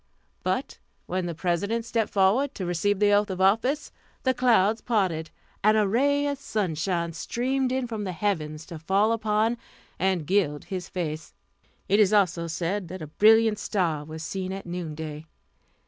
But when the President stepped forward to receive the oath of office, the clouds parted, and a ray of sunshine streamed from the heavens to fall upon and gild his face. It is also said that a brilliant star was seen at noon day.